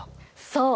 そう。